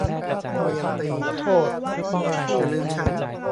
โทษ